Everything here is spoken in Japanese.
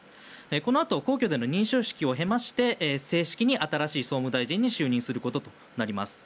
このあと皇居での認証式を経まして正式に新しい総務大臣に就任することとなります。